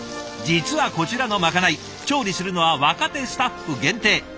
実はこちらのまかない調理するのは若手スタッフ限定。